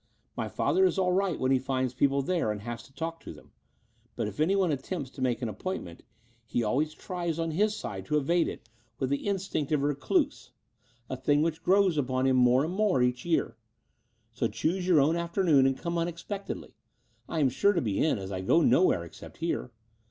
My father is all right when he finds people there and has to talk to them: but if anyone att^npts to make an ap pointment, he always tries on his side to evade it with the instinct of a recluse, a thing which grows Between London and Clymping 131 upon him more and more each year. So choose your own afternoon, and come unexpectedly. I am sure to be in, as I go nowhere except here.